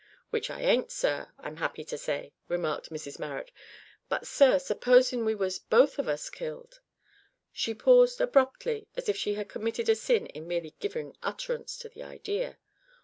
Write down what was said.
"W'ich I ain't sir, I'm happy to say," remarked Mrs Marrot; "but, sir, supposin' we was both of us killed " She paused abruptly as if she had committed a sin in merely giving utterance to the idea.